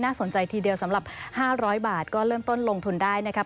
สนใจทีเดียวสำหรับ๕๐๐บาทก็เริ่มต้นลงทุนได้นะครับ